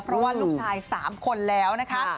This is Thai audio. เพราะว่าลูกชาย๓คนแล้วนะคะ